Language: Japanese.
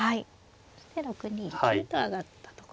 そして６二金と上がったところですね。